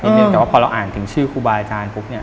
เพียงแต่ว่าพอเราอ่านถึงชื่อครูบาอาจารย์ปุ๊บเนี่ย